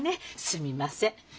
すみません。